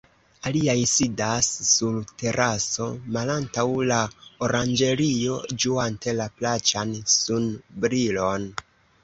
Aliaj sidas sur teraso malantaŭ la oranĝerio, ĝuante la plaĉan sunbrilon.